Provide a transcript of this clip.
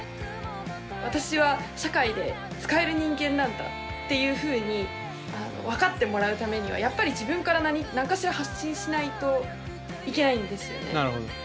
私は社会で使える人間なんだっていうふうに分かってもらうためにはやっぱり自分から何かしら発信しないといけないんですよね。